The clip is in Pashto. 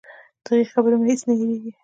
د هغه خبرې مې هېڅ نه هېرېږي.